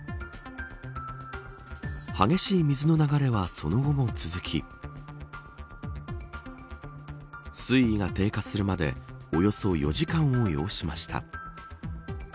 激しい水の流れはその後も続き水位が低下するまでおよそ４時間を要しました。